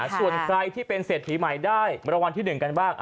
ส่วนใครที่เป็นเศรษฐีใหม่ได้รางวัลที่๑กันบ้าง